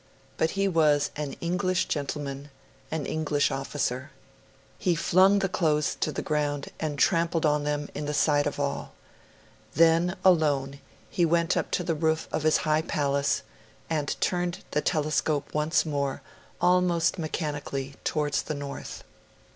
But he was an English gentleman, an English officer. He flung the clothes to the ground, and trampled on them in the sight of all. Then, alone, he went up to the roof of his high palace, and turned the telescope once more, almost mechanically, towards the north.